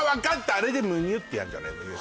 あれでムニュってやんじゃない？